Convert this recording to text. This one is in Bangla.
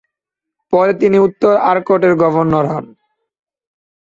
পরে তিনি উত্তর আর্কটের গভর্নর হন।